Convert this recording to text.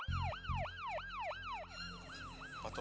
jangan lari lo